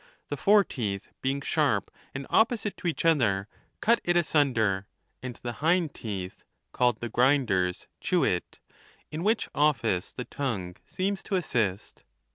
The fore teeth, being sharp and opposite to each other, cut it asunder, and the hind teeth (called the grind ers) chew it, in whioh office the tongue seems to assist.